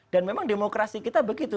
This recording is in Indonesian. dan memang demokrasi kita begitu